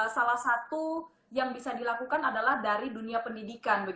salah satu yang bisa dilakukan adalah dari dunia pendidikan